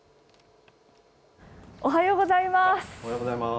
おはようございます。